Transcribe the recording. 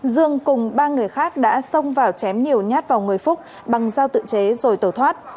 dương cùng ba người khác đã xông vào chém nhiều nhát vào người phúc bằng dao tự chế rồi tẩu thoát